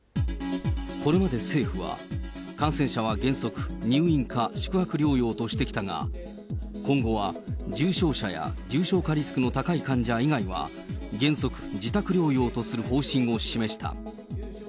これまで政府は、感染者は原則、入院か宿泊療養としてきたが、今後は重症者や重症化リスクの高い患者以外は、原則、自宅療養とする方針を示した。